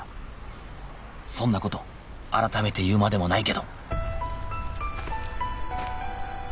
そんな事改めて言うまでもないけど